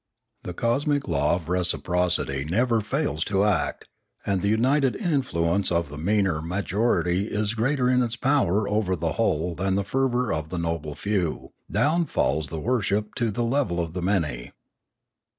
The cosmic law of reciprocity never fails to act, and the united influence of the meaner ma jority is greater in its power over the whole than the fervour of the noble few ; down falls the worship to the level of the many.